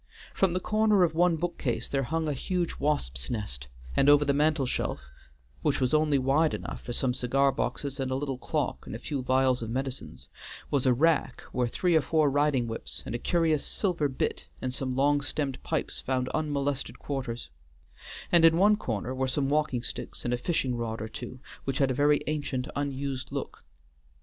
From the corner of one book case there hung a huge wasp's nest, and over the mantel shelf, which was only wide enough for some cigar boxes and a little clock and a few vials of medicines, was a rack where three or four riding whips and a curious silver bit and some long stemmed pipes found unmolested quarters; and in one corner were some walking sticks and a fishing rod or two which had a very ancient unused look.